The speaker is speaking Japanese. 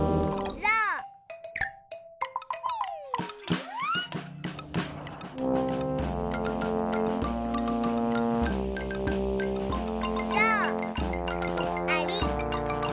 ぞうあり。